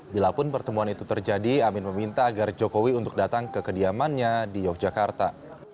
bila pun pertemuan itu terjadi amin meminta agar jokowi untuk datang ke kediamannya di yogyakarta